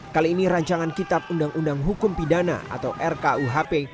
kali ini rancangan kitab undang undang hukum pidana atau rkuhp